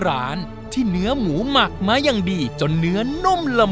อ้าวอยู่นี่เหรอ